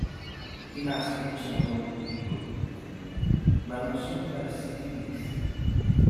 I maschi sono molto più piccoli delle femmine, ma non sono parassiti di esse.